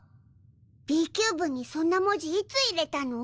Ｂ・キューブにそんな文字いつ入れたの？